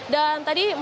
dan tadi menurut saya